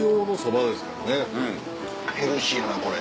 ヘルシーやなこれ。